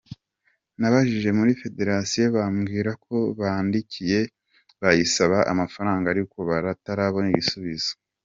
Nabajije muri federasiyo bambwira ko bandikiye bayisaba amafaranga ariko batarabona igisubizo.